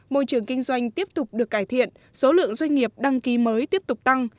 môi trường kinh doanh tiếp tục được cải thiện số lượng doanh nghiệp đăng ký mới tiếp tục tăng